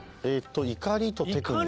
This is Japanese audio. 怒りとテクニック。